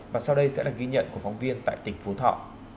và sau đây sẽ là ghi nhận của phóng viên tại tỉnh phú thọ